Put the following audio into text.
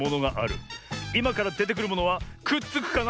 いまからでてくるものはくっつくかな？